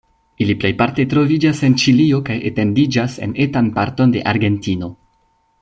Ili plejparte troviĝas en Ĉilio kaj etendiĝas en etan parton de Argentino.